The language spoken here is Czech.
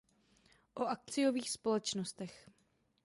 o akciových společnostech